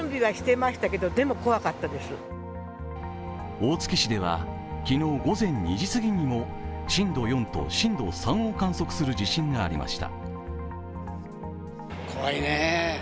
大月市では、昨日午前２時すぎにも震度４と震度３を観測する地震がありました。